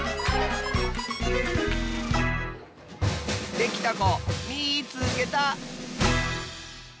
できたこみいつけた！